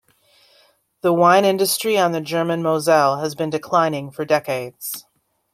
The wine industry on the German Moselle has been declining for decades.